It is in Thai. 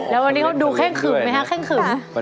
แล้ววันนี้เขาดูแข้งขึงไหมฮะแข้งขึง